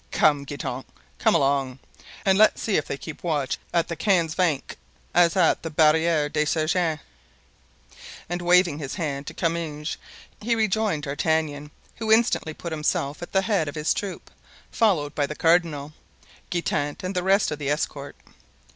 Come, Guitant, come along, and let's see if they keep watch at the Quinze Vingts as at the Barriere des Sergens." And waving his hand to Comminges he rejoined D'Artagnan, who instantly put himself at the head of his troop, followed by the cardinal, Guitant and the rest of the escort.